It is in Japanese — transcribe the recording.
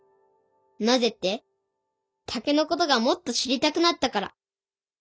なぜって竹のことがもっと知りたくなったから。